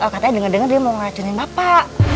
katanya denger denger dia mau ngeracunin bapak